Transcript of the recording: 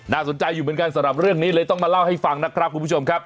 สนใจอยู่เหมือนกันสำหรับเรื่องนี้เลยต้องมาเล่าให้ฟังนะครับคุณผู้ชมครับ